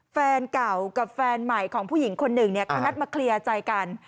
แฟนเก่ากับแฟนใหม่ของผู้หญิงคนหนึ่งเนี่ยเขานัดมาเคลียร์ใจกัน